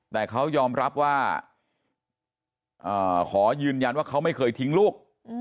แต่เขายอมรับว่าขอยืนยันว่าเขาไม่เคยทิ้งลูก